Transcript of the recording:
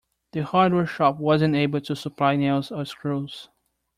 The hardware shop wasn't able to supply nails or screws.